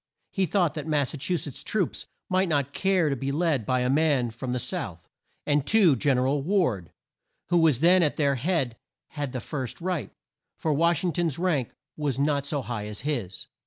He thought that Mas sa chu setts' troops might not care to be led by a man from the south; and, too, Gen er al Ward, who was then at their head had the first right, for Wash ing ton's rank was not so high as his.